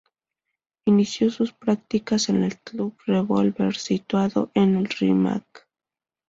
Inició sus prácticas en el Club Revólver situado en el Rímac.